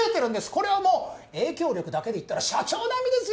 これはもう影響力だけでいったら社長並みですよ？